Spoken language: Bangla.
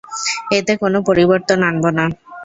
এতে কোন পরিবর্তন আনব না।